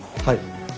はい。